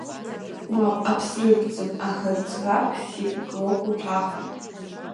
Мап, Аԥснытәӡам, аха ӡӷаб ссирӡак лоуп уҳәахит.